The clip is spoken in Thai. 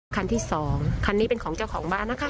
คันที่สองคันนี้เป็นของเจ้าของบ้านนะคะ